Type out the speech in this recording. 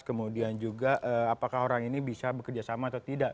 kemudian juga apakah orang ini bisa bekerjasama atau tidak